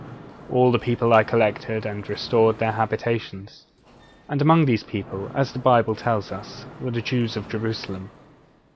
'All their people I collected, and restored their habitations.' And among these people, as the Bible tells us, were the Jews of Jerusalem.